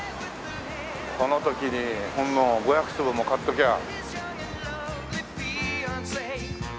この時にほんの５００坪も買っときゃ。